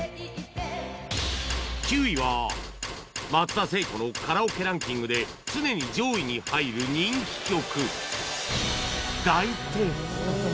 ９位は松田聖子のカラオケランキングで常に上位に入る人気曲